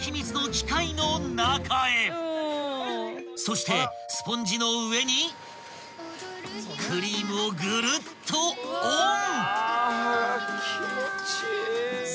［そしてスポンジの上にクリームをぐるっとオン！］